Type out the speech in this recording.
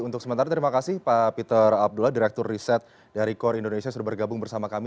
untuk sementara terima kasih pak peter abdullah direktur riset dari kor indonesia sudah bergabung bersama kami